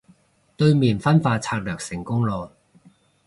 對面分化策略成功囉